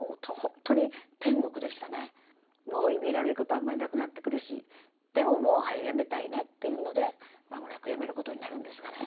もういびられることあんまりなくなってくるしでももうはよ辞めたいねっていうので間もなく辞めることになるんですがね。